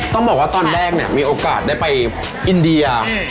ต้องบอกว่าตอนแรกเนี่ยมีโอกาสได้ไปอินเดีย